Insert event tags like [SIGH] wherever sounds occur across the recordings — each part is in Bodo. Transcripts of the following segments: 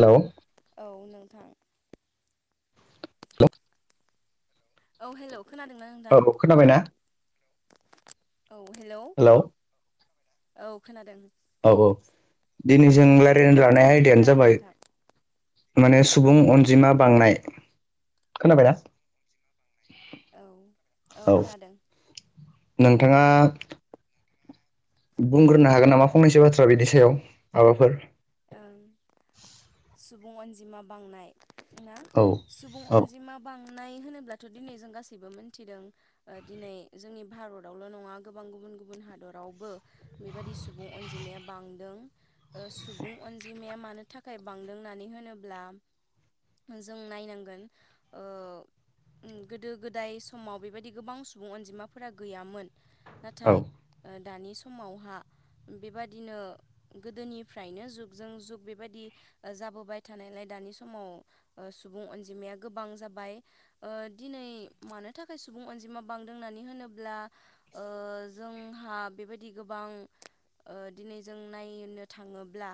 हेलौ औ नोंथां। [UNINTELLIGIBLE] औ हेलौ खोनादोंना नोंथां? औ खोनाबायना औ हेलौ औ खोनादों। औ औ दिनै जों रायलायनो लानाय खोनादों आयदायानो खोनादों जाबाय नोंथां माने सुबुं अनजिमा बांनाय खोनाबाय ना? औ औ खोनादों। नोंथाङा। बुंग्रोनो हागोन नामा फंनैसो बाथ्रा बिनि सायाव माबाफोर? ओं सुबुं अनजिमा बांनाय ना औ सुबुं औ अनजिमा बां नाय होनोब्लाथ' दिनै जों गासैबो मोनथिदों ओ दिनै जोंनि भारतावल' नङा गोबां गुबु गुबुन हादरावबो बेबायादि सुबुं अनजिमाया बांदों ओ सु बुं अनजिमाया मानो थाखाय बांदों होननानै होनोब्ला जों नायनांगोन ओ ओम गोदो गोदाय समाव बेबायदि गोबां सुबुं अनजिमाफोरा गैयामोन। नाथाय औ ओ दानि समावहा बेबादिनो गोदोनि फ्रायनो जुगजों जुग बेबायदि जाबोबाय थानायलाय दानि समाव सुबुं अनजिमाया गोबां जाबाय ओ दिनै मानो थाखाय सुबुं अनजिमा बांदों होननानै होनोब्ला ओ जोंहा बेबायदि गोबां ओ दिनै जों नायनो थाङोब्ला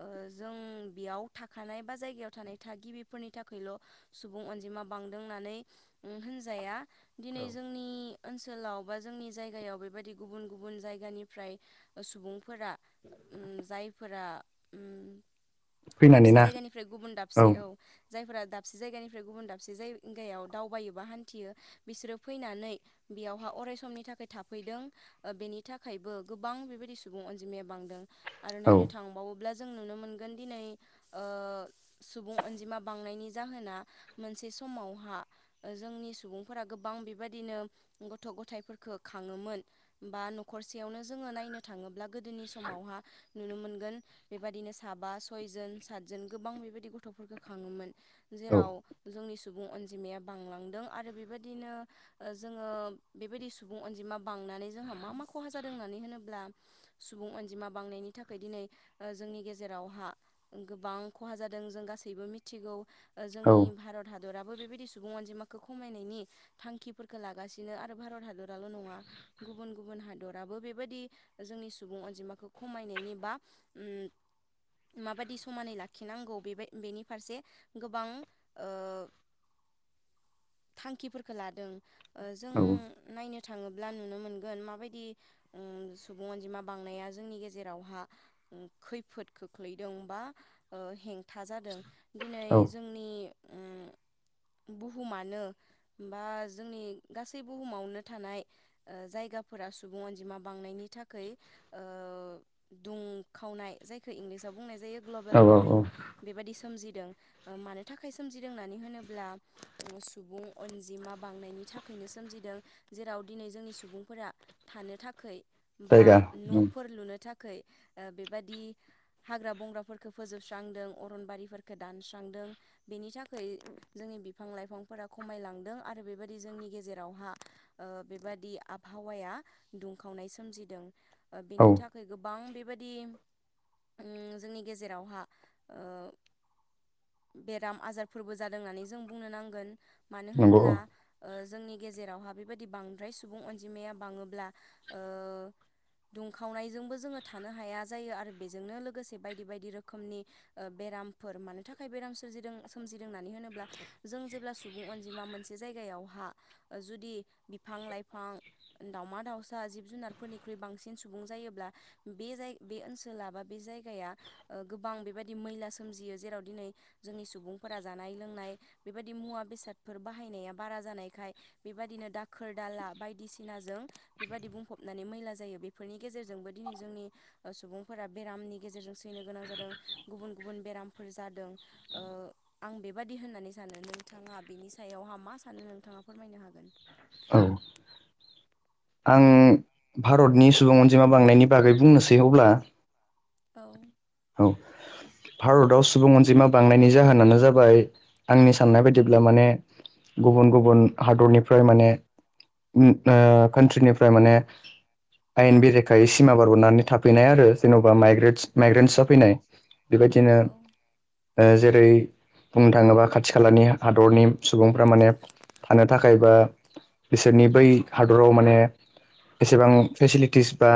ओ जों बेयाव थाखानाय बा जायगायाव थानाय थागिबिफोरनि थाखायल' सुबुं अनजिमा बांदों होननानै होनजाया दिनै जोंनि ओनसोलाव बा जोंनि जायगायाव बेबायदि गुबुन गुबुन जायगानिफ्राय सुबुंफोरा। उम [INAUDIBLE] जायफोरा फैनानै दाबसे उम ना जायगानिफ्राय गुबुन दाबसे औ। जायफोरा दाबसे जायगानिफ्राय गुबुन दाबसे जायगायाव दावबायोबा हान्थियो बिसोरो फैनानै बेयावहा अराय समनि थाखाय थाफैदों ओ बेनि थाखायबो गोबां बेबायदि सुबुं अनजिमाया बांदों। आरो औ औ नायनो थांबावो। अब्ला जों नुनो मोनगोन दिनै ओ सुबुं अनजिमा बांनायनि जाहोना मोनसे। मोनसे समावहा जोंनि सुबुंफोरा गोबां बेबायदिनो गथ' गथायाइफोरफोरखौ खाङोमोन। बा न'रसेयावनो जोङो नायनो थाङोब्ला गोदोनि समावहा। नुनो मोनगोन बेबदििनो साबा सयजोन सातजोन गोबां बेबायदि गथ'फोरखौ खाङोमोन। औ जेराव जोंनि सुबुं अनजिमाया बांलांदों आरो बेबायदिनो जोङो बेबायदि सुबुं अनजिमा बां बांनानै मा मा खहा जादों होननानै बुंङोब्ला जोंहा सुबुं अनजिमा बांनायनि थाखाय दिनै ओ जोंनि गेजेराव हा गोबां खहा जादों जों गासैबो मिथिगौ। औ जोंनि भारत हादर हादराबो बेबायदि सुबुं अनजिमाखौ खमायनायनि थांखिफोरखौ लागासिनो आरो भारत हादराल' नङा गुबुन गुबुन हादराबो बेबायदि जोंनि सुबुं अनजिमाखौ खमायनायनि बा उम माबायदि समानै लाखिनांगौ बे बेनि फारसे गोबां ओ [INAUDIBLE] थांखिफोरखौ लादों ओ जों औ नायनो। थाङोब्ला नुनो मोनगोन माबायदि सुबुं अनजिमा बांनाया जोंनि गेजेरावहा खैफोद खोख्लैदों बा ओ हेंथा जादों दिनै औ जोंनि उम [INAUDIBLE] बुहुमानो बा जोंनि गासै बुहुमावनो थानाय ओ जायगा फोरा सुबुं अनजिमा बांनायनि थाखाय ओ दुंखावनाय जायखौ इंलिसाव बुंनाय जायो। ग्लबेल औ वार्मिं औ बेबायदि सोमजि होयो मानो थाखाय सोमजिदों होननानै होनोब्ला सुबुं अनजिमा बांनायनि थाखाय नो सोमजिदों जेराव दिनै जोंनि सुबुंफोरा थानो थाखाय बा जायगा न'फोर लुनो थाखाय बेबादि हाग्रा बंग्राफोरफोरखौ फोजोबस्रांदों अरनबारिफोरफोरखौ दानस्रांदों। बेनि थाखाय जोंनि बिफां लाइफांफोरा खमायलांदों आरो बेबायदि जोंनि गेजेरावहा ओ बेबादि आबहावाया दुंखावनाय सोमजिदों औ बेनि थाखाय गोबां बेबायदि उम जोंनि गेजेरावहा बेराम आजारफोरबो जादों होननानै जों बुंनो नांगोन मानो नंगौ होनब्ला औ ओ जोंनि गेजेरावहा बेबायदि बांद्राय सुबुं अनजिमाया बाङोब्ला ओ दुंखावनाय बेजोंबो जोङो थानो हाया जायो आरो बेजोंनो लोगोसे बायदि बायदि रोखोमनि बेरामफोर मानो थाखाय थाखाय बेराम सोरजिदों सोमजिदों होननानै होनोब्ला जों जेब्ला सुबुं अनजिमा मोनसे जायगायावहा जुदि बिफां लाइफां दाावमा दाउसा जिब जुनारफोरनिख्रुइ बांसिन सुबुं जायोब्ला बे ओनसोला बा बे जायगाया गोबां ओ बेबायदि मैला सोमजियो जेराव दिनै जोंनि सुबुंफोरा जानाय लोंनाय बेबायदि मुवा बेसादफोर बाहायनाया बारा जानायखाय बेबायदिनो दाखोर दाला बायदिसिनाजों बेबायदि बुंफबनानै मैला जायो बेफोरनि गेजेरजोंबो दिनै जोंनि सुबुंफोरा बेरामनि गेजेरजों सैनो गोनां जादों गुबुन गुबुन बेरामफोर जादों ओ आं बेबादि होननानै सानो नोंथाङा। नोंथाङा फोरमायनो हागोन। औ। आं भारतनि सुबुं अनजिमा बांनायनि बागै बुंनोसै अब्ला।? औ। औ। भारताव सुबुं अनजिमा बांनायनि जाहोनानो जाबाय आंनि साननाय बायदिब्ला माने गुबुन- गुबुन हादरनिफ्राय माने [UNINTELLIGIBLE] कान्ट्रिनिफ्राय माने आयेन बेरेखायै सिमा बारबोनानै थाफैनाय आरो जेन'बा माइग्रेटस औ माइग्रेन्टसआव फैनाय बेबायदिनो औ जेरै बुंनो थाङोबा खाथि -खालानि हादरनि सुबुंफ्रा माने थानो थाखाय बा बिसोरनि बै हादराव माने। एसेबां फेसिलिटिसफ्रा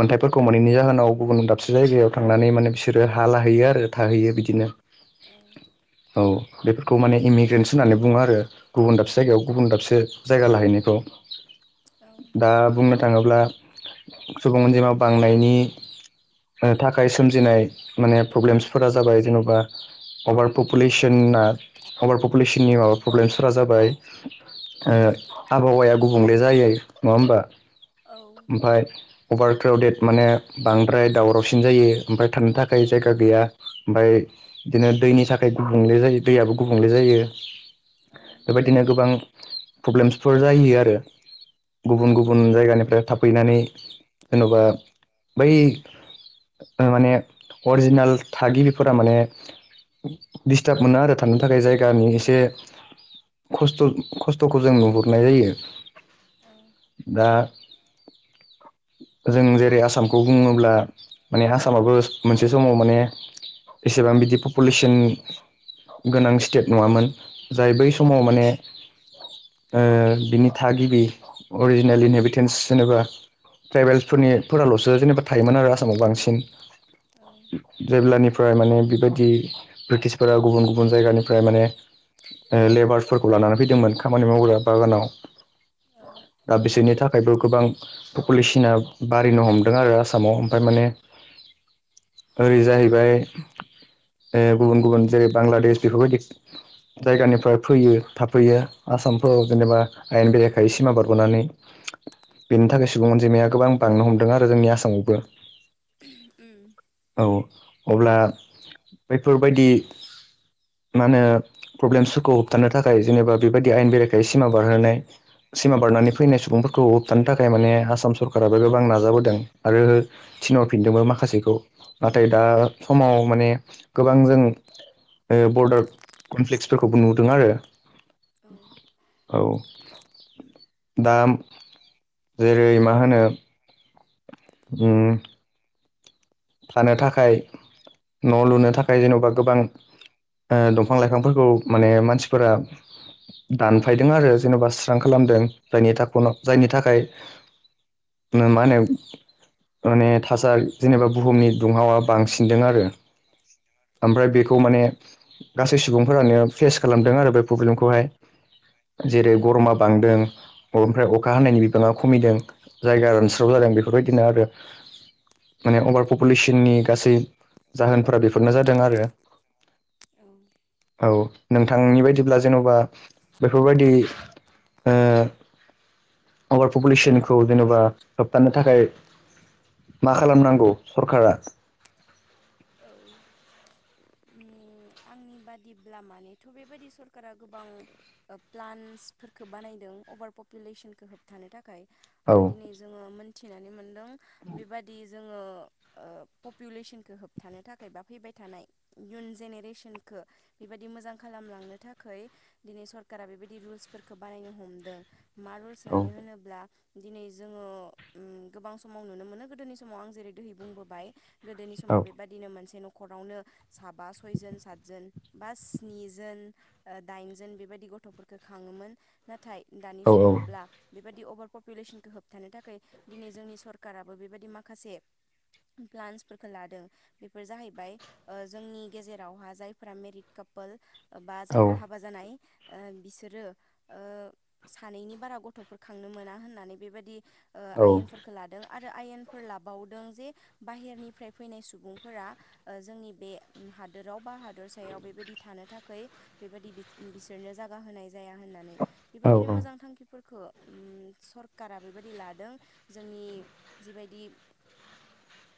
मोनथायफोरखौ मोनैनि जाहोनाव गुबुन दाबसे जायगायाव थांनानै माने बिसोरो हा लाहैयो आरो थाहैयो बिदिनो। औ औ बेफोरखौ माने इमिग्रेन्स होननानै बुंङो आरो गुबुन दाबसे जायगायाव गुबुन दाबसे जायगा लाहैनायखौ औ दा बुंनो थाङोब्ला, सुबुं अनजिमा बांनायनि थाखाय सोमजिनाय माने प्रब्लेमसफोरा जाबाय जेनेबा अभार पपुलेसना अभार पपुलेसननि माबा प्रब्लेमसफोरा जाबाय ओ आबहावाया गुबुंले जायै नङा होमबा? ओमफाय अभार क्राउडेड माने बांद्राय दावरावसिन जायो ओमफाय थानो थाखाय [UNINTELLIGIBLE] औ जायगा गैया ‌। ओमफ्राय बिदिनो दैनि थाखाय गुबुंले जायो दैयाबो गुबुंले जायो। बेबायदिनो गोबां प्रब्लेमसफोर जायो आरो। गुबुन -गुबुन जायगानिफ्राय थाफैनानै जेन'बा बै माने अरिजिनेल थागिबिफोरा माने दिस्टार्ब मोना आरो थानो थाखाय जायगानि एसे खस्थ' -खस्थ' [UNINTELLIGIBLE] जों नुहुरनाय जायो औ दा जों जेरै आसामखौ बुंङोब्ला माने आसामाबो मोनसे समाव माने एसेबां बिदि पपुलेसन गोनां स्टेट नङामोन जाय बै समाव औ-औ-औ माने ओ बिनि थागिबि अरिजिनेल इनहेबिटेन्स जेनेबा ट्राइबेल्सफोरनिफोराल'सो जेनेबा थायोमोन आरो आसामाव बांसिन। जेब्लानिफ्राय माने बेबायदि ब्रिटिशफोरा गुबुन -गुबुन जायगानिफ्राय माने लेबारसफोरखौ लानानै फैदोंमोन खामानि मावग्रा बागानाव। औ-औ-औ-औ-औ-औ दा बिसोरनि थाखायबो गोबां पपुलेसना बारिनो हमदों आरो आसामाव ओमफ्राय माने ओरै जाहैबाय गुबुन- गुबुन जेरै बांलादेश बेफोरबायदि जायगानिफ्राय फैयो थाफैयो। आसामफोराव जेनेबा आयेन बेरेखायै सिमा बारबोनानै। बेनि थाखाय सुबुं अनजिमाया गोबां बांनो हमदों आरो जोंनि आसामावबो। औ अब्ला बेैफोरबायदि मा होनो प्रब्लेमसफोरखौ होबथानो थाखाय जेनेबा बेबायदि आयेन बेरेखा सिमा बारहोनाय सिमा बारनानै फैनाय सुबुंफोरखौ होबथानो थाखाय माने आसाम सरकाराबो गोबां नाजाबोदों। आरो थिनहरफिनदोंबो माखासे। नाथाय दा समाव माने गोबां जों ओ बरडार कनफ्लेक्सफोरखौबो नुदों आरो। [UNINTELLIGIBLE] औ दा जेरै मा होनो। उम। थानो थाखाय। न' लुनो थाखाय जेन'बा गोबां दंफां -लाइफांफोरखौ माने मानसि [UNINTELLIGIBLE] दानफायदों आरो जेन'बा स्रां खालामदों जायनि थाख जायनि थाखाय मा होनो माने थासारि जेनेबा बुहुमनि दुंहावा बांसिनदों आरो [INAUDIBLE] ओमफ्राय बेखौ माने गासै सुबुंफोरानो फेस खालामदों आरो बे प्रब्लेमखौहाय जेरै गरमा बांदोंमफ्राय अखा हानायनि बिबाङा खमिदों जायगा रनस्राव बेफोरबायदिनो आरो म अभारुेसनि गासै जाहोनफोरा बे बेफोरनो जादों आरो औ। नोंथांनि बायदिब्ला जेन'बा बेफोरबायदि अभार पपुलेसनखौ जेनेबा होबथानो थाखाय मा खालामनांगौ सरखारा उम आंनि बादिब्ला मानेथ' बेबायादि सरकारा गोबां प्लान्सफोरखौ बानायदों भारुेसनखौ होबथानो थाखाय औ दिनै जोङो मोनथिनानै मोन बेबदि जोङो पपुलेसनखौो होबथानो थाखाय बा फैबाय थानाय इयुन जेनेरेसन बेबायदि मोजां खालामलांनो थाखाय दिनै सरखारारा बेबायदि रुलसफोरखौ बानायनो हमदों मा रुल्स औ होननानै होनोब्ला दिनै जोङो गोबां समाव नुनो मोनो गोदोनि समाव आं जेरै दैहै बुंबोबाय गोदोनि औ समाव बेबायाददिनो मोनसे न'खरावनो साबा सयजोन सा जोन बा स्नि जोन दाइनजोन बेबायदि गथ'फोरफोरखौ खाङोमोन ना नाथाय दानि औ समावब्ला बेबाददि अभार पपुलेसनखौ होबथानो थाखाय दिनै जोंनि सरकाराबो बेबायदि माखासे प्लान्सफोरखौ लादों बेफोर जाहैबाय जोंनि गेजेरावहा जाय मेरिद कापोल बा औ जायफोरा हाबा जानाय बिसोरो सानैनि बारा गथ'फोर खांनो मोना होननानै बेबायदि औ आयेनफोरखौ लादों। आरो आयेनफोर लाबावदों जे बाहेरनिफ्राय फैनाय सुबुंफोरा जोंनि बे हादोराव बा हाद बेादर सायाव बेबायदि थानो थाखाय बेबायदि बिसोरनो जागा होनाय जाया होननानै बेबायदिनो औ मोजां थांखिफोरखौ सरकारा बेबायदि लादों जोंनि जिबायदि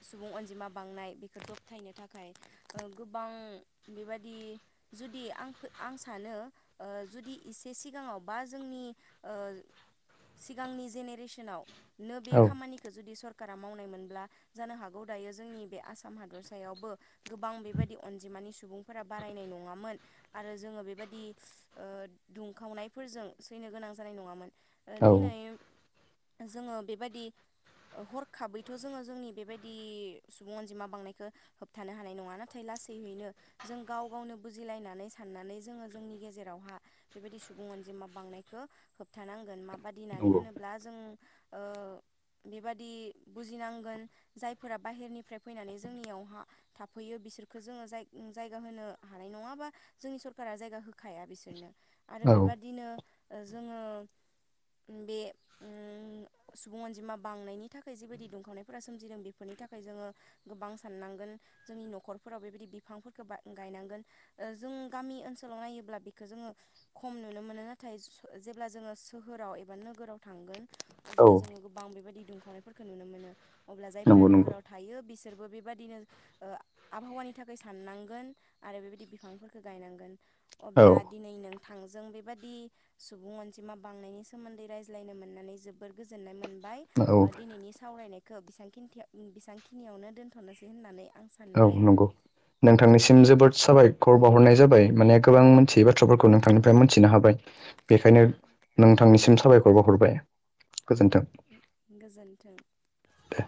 सुबुं अनजिमा बांनाय बेखौ दबथायनो थाखाय गोबां बेबादि जुदि आं आं सानो जुदि एसे सिगाङाव बा जोंनि सिगांनि जेनेरेसनावनो बे औ खामानिखौ जुदि स सका मावनाय मोनब्ला जानो हागौ दायो जोंनि बे आसाम हादरसायावबो गोबां बेबायदि अनजिमानि सुबुंफोरा बारायनाय नङामोन आरो जोङो बेबदि दुंखावनायफोरजों स जनो गोनां जानाय नङामोन औ औ दिनै जोङो बेबायदि हरखाबैथ' जोङो जोंनि बेबायदि सुबुं अनजिमा बांनायखौ होबथानो हानाय नङा नाथाय लाासैयैनो जों गाव गावनो बुजिलायनानै साननानै जोङो जोंनि गेजेरावहा बेबायदि सुबुं अनजिमा बांनायखौ होबथानांगोन म बादि होननानै नंगौ होनोब्ला जों ओ [INAUDIBLE] बेबादि बुजिनांगोन जायफोरा बाहेरनिफ्राय फैनानै जोंनियावहा थाफैयो। बिसोरखो जोङोाय जायगा होनो हानाय नङाबा जोंनि सरकारा जायगा होखाया बिसोरनो आरो औ बेबादिनो जोङो बे सुबुं अनजिमा बांनायनि थाखाय जिबायदि दुंखावनायफोरा सोमजिदों बेफोरनि थाखाय जोङो गोबां साननांगोन जोंनि न'खरफोराव बेबायदि बिफांफोरखौ गायनांगोन जों गामि ओनसोलाव नायोब्ला बेखौो जोङो खम नुनो मोनो नाथाय जेब्ला जोङो सोहोराव एबा नोगोराव थांगोन औ अब्ला जोङो गोबां बेबायदि दुंखावनायफोरखौ नुनो मोनो अब्ला जायफोरा नंगौ नंगौ नोगोराव थायो बिसोर बो बेबदिनो ओ आबहावानि थाखाय साननांगोन आरो बेबायदि बिफांफोरखौ गायनांगोन। औ अब्ला दिनै नों थांजों बेबादि सुबुं अनजिमा बांनायनि सोमोन्दै रायज्लायनो मोननानै जोबोद गोजोननाय मोन बाय औ ओ दिनैनि सावरायनायखौ बेसेबांखिनथियाव ओम बेसेबांखिनियावनो दोनथ'नोसै होननानै आं औ सानबाय नंगौ नोंथांनिसिम जोबोद साबायखर बाव हरनाय जाबाय माने गोबां मोनथियै बाथ्राफोरखौ नोंथांनिफ्राय मोनथिनो हाबाय। बेखायनो नोंथांनिसिम साबायखर बावहरबाय। गोजोन्थों गोजोन्थों। दे।